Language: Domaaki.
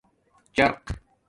چَرق